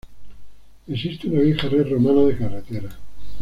Existe una vieja red romana de carreteras.